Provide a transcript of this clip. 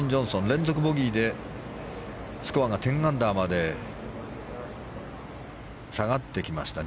連続ボギーでスコアが１０アンダーまで下がってきました。